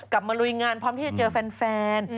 มาลุยงานพร้อมที่จะเจอแฟน